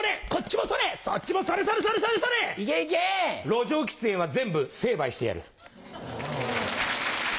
路上喫煙は全部成敗してやる。